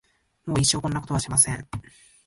もう一生こんなことはしません。